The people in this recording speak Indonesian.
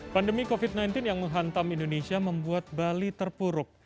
pandemi covid sembilan belas yang menghantam indonesia membuat bali terpuruk